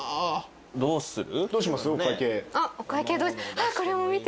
どうする？